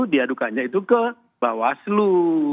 diadukannya itu ke bawaslu